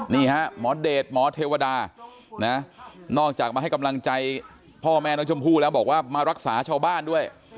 นี่ฮะหมอเดชหมอเทวดานะนอกจากมาให้กำลังใจพ่อแม่น้องชมพู่แล้วบอกว่ามารักษาชาวบ้านด้วย